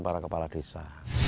para kepala desa